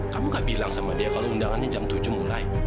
kamu gak bilang sama dia kalau undangannya jam tujuh mulai